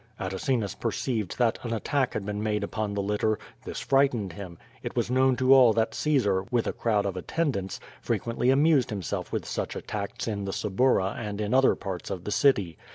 Atacinus perceived that an attack had been made upon the litter. This frightened him. It was known to all that Cae sar, with a crowd of attendants, frequently amused himself with such attacks in the Suburra and in other parts of the city.